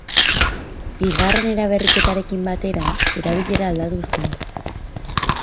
Bigarren eraberriketarekin batera, erabilera aldatu zen.